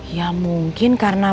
ya mungkin karena